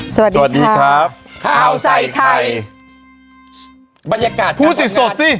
สวัสดีครับสวัสดีครับข้าวใส่ไข่บรรยากาศพูดสิสดสิ